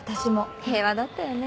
平和だったよね。